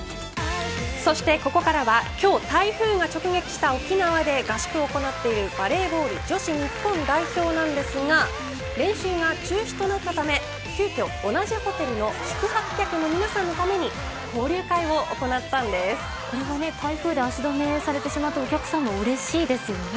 そしてここからは今日、台風が直撃した沖縄で合宿を行っているバレーボール女子日本代表なんですが練習が中止となったため急きょ同じホテルの宿泊客の皆さんのために台風で足止めされてしまってお客さんもうれしいですよね。